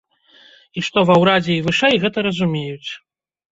І што ва ўрадзе і вышэй гэта разумеюць.